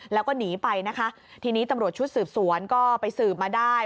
แล้วก็หนีไปนะคะทีนี้ตำรวจชุดสืบสวนก็ไปสืบมาได้